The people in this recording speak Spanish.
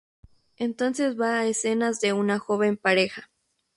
Entonces va a escenas de una joven pareja.